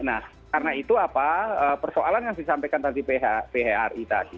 nah karena itu apa persoalan yang disampaikan tadi phri tadi